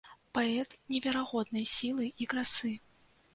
Паэт неверагоднай сілы і красы.